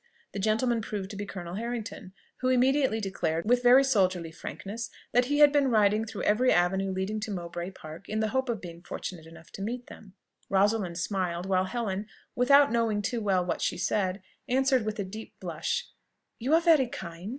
The gentleman proved to be Colonel Harrington, who immediately declared, with very soldierly frankness, that he had been riding through every avenue leading to Mowbray Park, in the hope of being fortunate enough to meet them. Rosalind smiled; while Helen, without knowing too well what she said, answered with a deep blush, "You are very kind."